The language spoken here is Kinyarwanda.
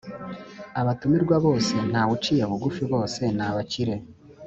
abatumirwa bose ntawuciye bugufi bose nabakire.